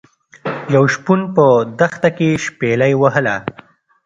یو شپون په دښته کې شپيلۍ وهله.